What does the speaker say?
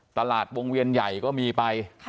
ตลาดวงเวียนใหญ่ก็มีไป